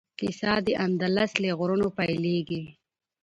کیسه د اندلس له غرونو پیلیږي.